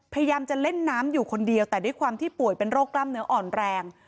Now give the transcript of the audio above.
พยายามจะเล่นน้ำอยู่คนเดียวแต่ด้วยความที่ป่วยเป็นโรคกล้ามเนื้ออ่อนแรง